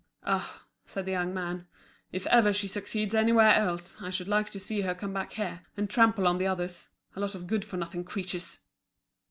"Ah," said the young man, "if ever she succeeds anywhere else, I should like to see her come back here, and trample on the others; a lot of good for nothing creatures!"